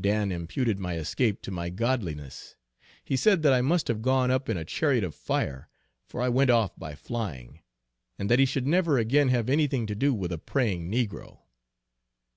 Dan imputed my escape to my godliness! He said that I must have gone up in a chariot of fire, for I went off by flying; and that he should never again have any thing to do with a praying negro.